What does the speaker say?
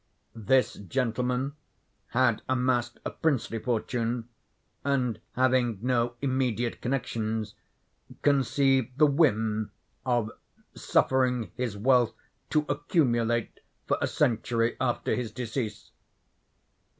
This gentleman had amassed a princely fortune, and, having no immediate connections, conceived the whim of suffering his wealth to accumulate for a century after his decease.